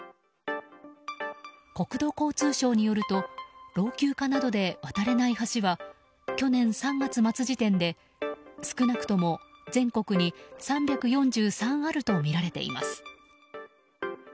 国土交通省によると老朽化などで渡れない橋が去年３月末時点で少なくとも全国に３４３あるとみられています。